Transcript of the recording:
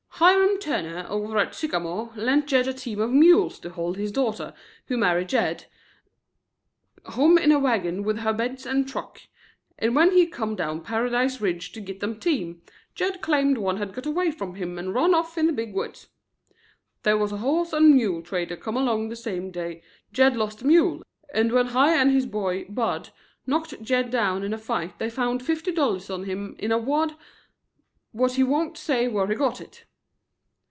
"Hiram Turner, over at Sycamore, lent Jed a team of mules to haul his daughter, who married Jed, home in a wagon with her beds and truck, and when he come down Paradise Ridge to git the team, Jed claimed one had got away from him and run off in the big woods. They was a horse and mule trader come along the same day Jed lost the mule and when Hi and his boy, Bud, knocked Jed down in a fight they found fifty dollars on him in a wad what he won't say where he got it."